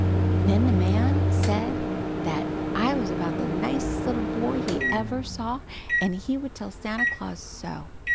"Nen the man said that I was about the nicest little boy he ever saw and he would tell Santa Claus so.